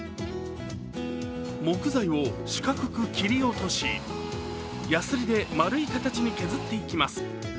木材を四角く切り落としやすりで丸い形に削っていきます。